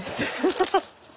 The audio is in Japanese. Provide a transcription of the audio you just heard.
ハハハ。